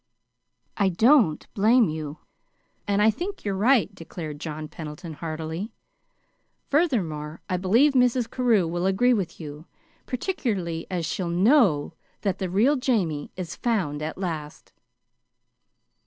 "I don't blame you, and I think you're right," declared John Pendleton heartily. "Furthermore, I believe Mrs. Carew will agree with you, particularly as she'll KNOW now that the real Jamie is found at last."